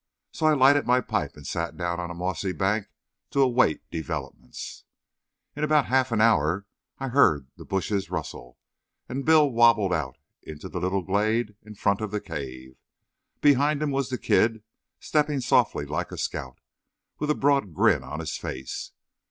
So I lighted my pipe and sat down on a mossy bank to await developments. In about half an hour I heard the bushes rustle, and Bill wabbled out into the little glade in front of the cave. Behind him was the kid, stepping softly like a scout, with a broad grin on his face.